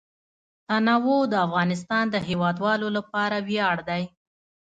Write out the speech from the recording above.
تنوع د افغانستان د هیوادوالو لپاره ویاړ دی.